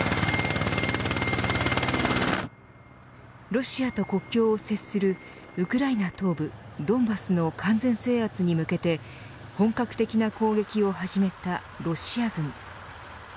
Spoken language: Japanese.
ロシアと国境を接するウクライナ東部ドンバスの完全制圧に向けて本格的な攻撃を始めたロシア軍。